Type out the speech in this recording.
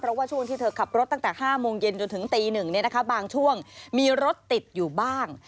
เพราะว่าช่วงที่เธอขับรถตั้งแต่๕โมงเย็นจนถึงตี๑บางช่วงมีรถติดอยู่บ้าง